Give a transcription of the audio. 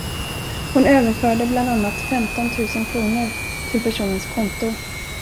Hon överförde bland annat femton tusen kronor till personens konto.